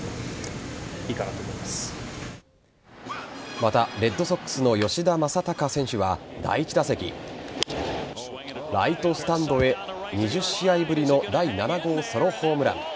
またレッドソックスの吉田正尚選手は第１打席ライトスタンドへ２０試合ぶりの第７号ソロホームラン。